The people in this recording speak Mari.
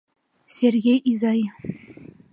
— Сергей изай!..